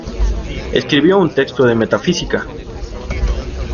Escribió un texto de Metafísica.